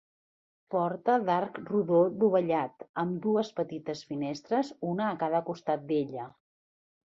Porta d'arc rodó dovellat, amb dues petites finestres, una a cada costat d'ella.